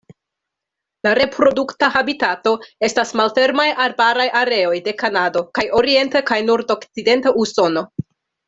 La reprodukta habitato estas malfermaj arbaraj areoj de Kanado kaj orienta kaj nordokcidenta Usono.